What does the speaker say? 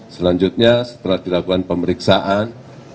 selanjutnya setelah dilakukan pemeriksaan